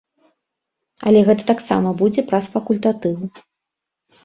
Але гэта таксама будзе праз факультатыў.